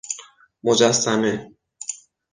مجسمه